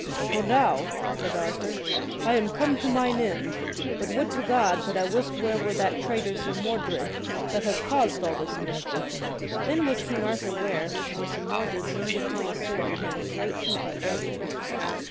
For now, said Arthur, I am come to mine end. But would to God that I wist where were that traitor Sir Mordred, that hath caused all this mischief. Then was king Arthur ware where Sir Mordred leaned upon his sword among a great heap of dead men.